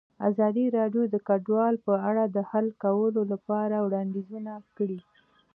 ازادي راډیو د کډوال په اړه د حل کولو لپاره وړاندیزونه کړي.